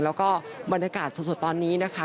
แล้วก็บรรยากาศสดตอนนี้นะคะ